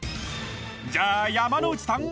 じゃあ山之内さん